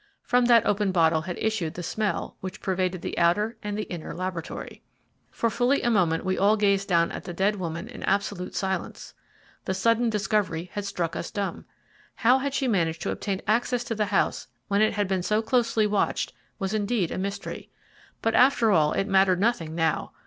From that open bottle had issued the smell which pervaded the outer and the inner laboratory. For fully a moment we all gazed down at the dead woman in absolute silence. The sudden discovery had struck us dumb. How she had managed to obtain access to the house when it had been so closely watched was indeed a mystery. But after all it mattered nothing now.